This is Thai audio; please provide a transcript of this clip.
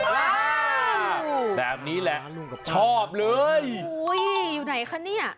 แบบนี้แหละชอบเลยอุ้ยอยู่ไหนคะเนี่ย